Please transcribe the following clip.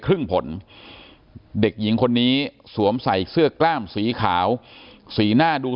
ครึ่งผลเด็กหญิงคนนี้สวมใส่เสื้อกล้ามสีขาวสีหน้าดู